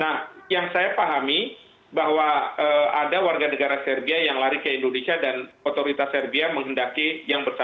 nah yang saya pahami bahwa ada warga negara serbia yang lari ke indonesia dan otoritasnya juga lari ke amerika